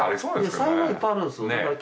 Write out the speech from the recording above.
いや才能いっぱいあるんですだから